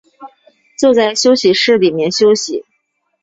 坐在休息室里面休息